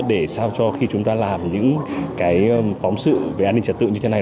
để sao cho khi chúng ta làm những cái phóng sự về an ninh trật tự như thế này